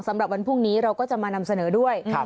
สำหรับวันพรุ่งนี้เราก็จะมานำเสนอด้วย